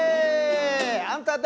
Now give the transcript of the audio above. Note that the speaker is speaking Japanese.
あんた誰？